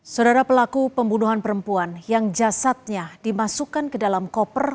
saudara pelaku pembunuhan perempuan yang jasadnya dimasukkan ke dalam koper